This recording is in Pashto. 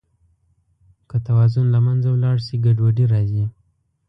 که توازن له منځه ولاړ شي، ګډوډي راځي.